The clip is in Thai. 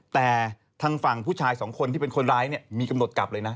แต่ทางฝั่งผู้ชายสองคนที่เป็นคนร้ายเนี่ยมีกำหนดกลับเลยนะ